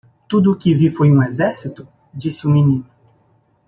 "Tudo o que vi foi um exército?" disse o menino.